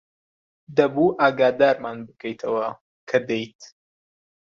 دەبوو ئاگادارمان بکەیتەوە کە دێیت.